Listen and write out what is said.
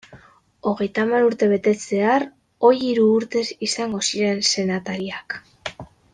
Hogeita hamar urte betetzear, ohi hiru urtez izango ziren senatariak.